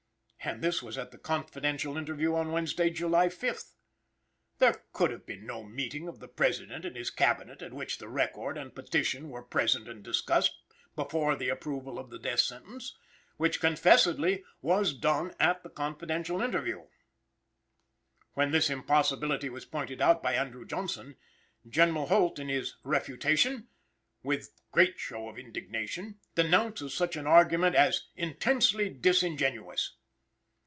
And this was at the confidential interview on Wednesday, July 5th. There could have been no meeting of the President and his Cabinet at which the record and petition were present and discussed, "before the approval of the death sentence;" which confessedly was done at the confidential interview. When this impossibility was pointed out by Andrew Johnson, General Holt, in his "refutation," with great show of indignation, denounces such an argument as "intensely disingenuous."